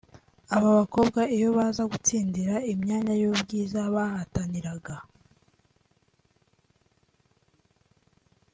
Aba bakobwa iyo baza gutsindira imyanya y’ubwiza bahataniraga